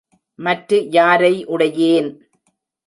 மற்று யாரை உடையேன்?